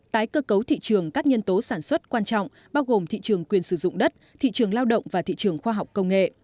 tái cơ cấu thị trường các nhân tố sản xuất quan trọng bao gồm thị trường quyền sử dụng đất thị trường lao động và thị trường khoa học công nghệ